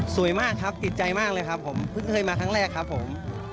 มากครับติดใจมากเลยครับผมเพิ่งเคยมาครั้งแรกครับผม